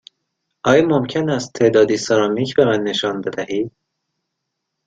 آیا ممکن است تعدادی سرامیک به من نشان بدهید؟